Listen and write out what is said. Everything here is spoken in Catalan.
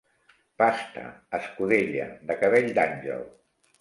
Pasta, escudella, de cabell d'àngel.